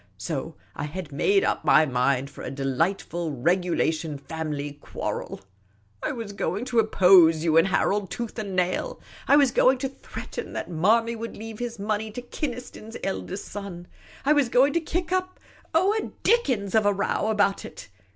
So I had made up my mind for a delightful regulation family quarrel. I was going to oppose you and Harold, tooth and nail ; I was going to threaten that Manny would leave his money to Kynaston's eldest son ; I was going to kick up, oh, a dickens of a row about it